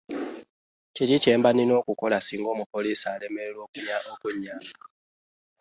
Kiki kyemba nina okukola singa omupoliisi alemererwa okunyamba?